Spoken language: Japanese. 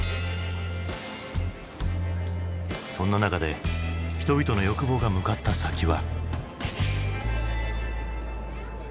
そんな中で人々の欲望が向かった先は。